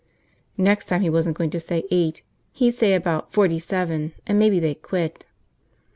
Next time he wasn't going to say eight, he'd say about forty seven and maybe they'd quit.